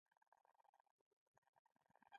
ولې نخود او دال لومړي ځل ناتوفیانو اهلي کړل